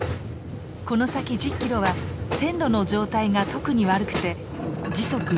この先１０キロは線路の状態が特に悪くて時速１５キロ以下で走る。